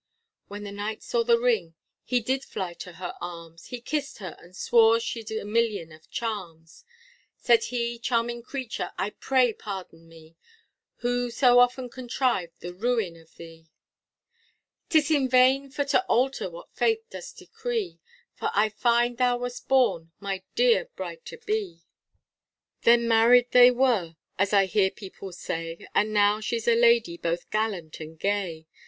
When the Knight saw the ring he did fly to her arms He kissed her and swore she'd a million of charms, Said he, charming creature, I pray pardon me, Who so often contrived the ruin of thee. 'Tis in vain for to alter what fate does decree, For I find thou wast born my dear bride to be; Then married they were, as I hear people say, And now she's a lady both gallant and gay.